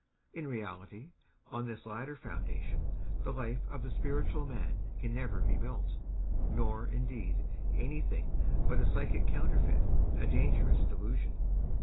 In reality, on this latter foundation the life of the spiritual man can never be built; nor, indeed, anything but a psychic counterfeit, a dangerous delusion.